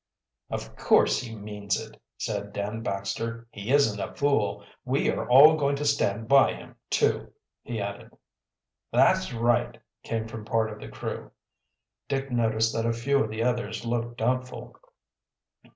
"Of course he means it," said Dan Baxter. "He isn't a fool. We are all going to stand by him, too," he added. "That's right," came from part of the crew. Dick noticed that a few of the others looked doubtful.